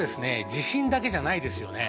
地震だけじゃないですよね。